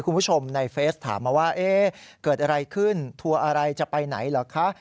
คุณผู้ชมในเฟสถามมาว่าเอ๊ะเกิดอะไรขึ้นทัวร์อะไรจะไปไหนเหรอคะ